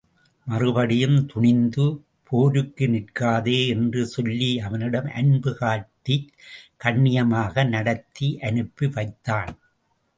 மறுபடியும் துணிந்து போருக்குநிற்காதே என்று சொல்லி அவனிடம் அன்பு காட்டிக் கண்ணியமாக நடத்தி அனுப்பி வைத்தான்.